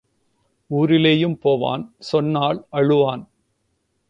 ஊரிலேயும் போவான் சொன்னால் அழுவான்.